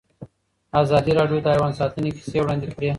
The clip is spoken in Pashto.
ازادي راډیو د حیوان ساتنه کیسې وړاندې کړي.